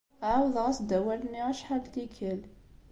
Ɛawdeɣ-as-d awal-nni acḥal n tikkal.